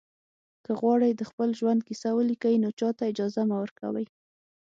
که غواړئ د خپل ژوند کیسه ولیکئ نو چاته اجازه مه ورکوئ.